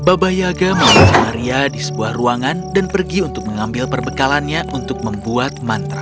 baba yaga mengawasi maria di sebuah ruangan dan pergi untuk mengambil perbekalannya untuk membuat mantra